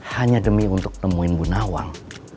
hanya demi untuk nemuin bu nawang